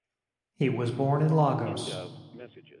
He was born in Lagos.